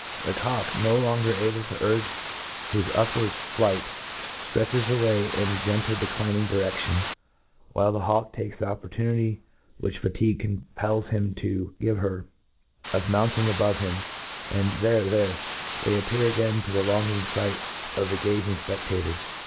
* The cock, no longer able td urge his upward fiigbr, ftretches away in a gent^ tie 46dinmg diredion^ while the hawk takes iim opportunity, which fatigue compels him m give her, of mounting above bim» aAd Hhere^ there 1 Ndiey appear again to the longing %ht of the gazing fpedators.